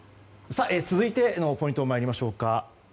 続いてのポイント参りましょうか。